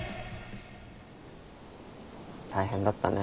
大変だったね。